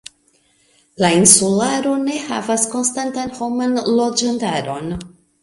La insularo ne havas konstantan homan loĝantaron.